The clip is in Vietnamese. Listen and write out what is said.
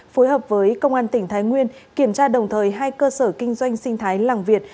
phối hợp với công an tỉnh thái nguyên kiểm tra đồng thời hai cơ sở kinh doanh sinh thái làng việt